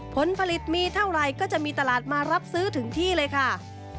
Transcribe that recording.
ผลผลิตมีเท่าไหร่ก็จะมีตลาดมารับซื้อถึงที่เลยค่ะ